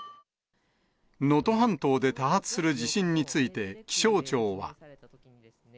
能登半島で多発する地震について、気象庁は。